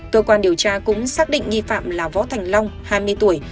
cơ quan điều tra cũng xác định nghi phạm là võ thành long hai mươi tuổi